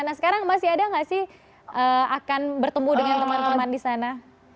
nah sekarang masih ada nggak sih akan bertemu dengan teman teman di sana